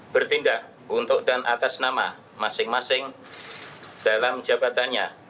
bertindak untuk dan atas nama masing masing dalam jabatannya